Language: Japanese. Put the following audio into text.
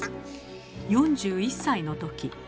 ４１歳の時。